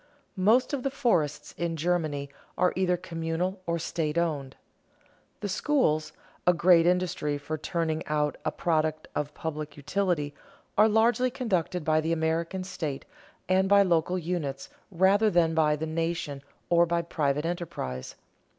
Most of the forests in Germany are either communal or state owned. The schools, a great industry for turning out a product of public utility, are largely conducted by the American state and by local units rather than by the nation or by private enterprise.